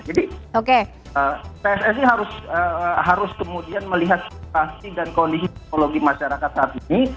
jadi pssi harus kemudian melihat situasi dan kondisi psikologi masyarakat saat ini